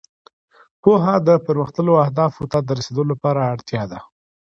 پوهه د پرمختللو اهدافو ته رسېدو لپاره اړتیا ده.